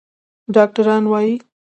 ډاکتران وايي